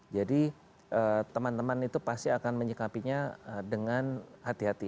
jadi teman teman itu pasti akan menyikapinya dengan hati hati